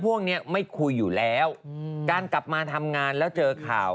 พวกนี้ไม่คุยอยู่แล้วการกลับมาทำงานแล้วเจอข่าว